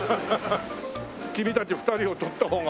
君たち２人を撮った方が。